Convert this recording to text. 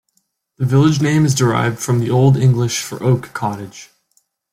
The village name is derived from the Old English for "oak cottage".